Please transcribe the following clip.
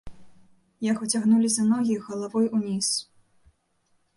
Яго цягнулі за ногі галавой уніз.